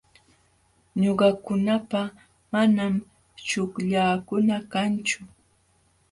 Ñuqakunapa manam chuqllakuna kanchu.